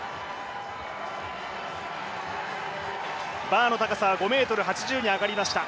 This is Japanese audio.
バーの高さは５ｍ８０に上がりました。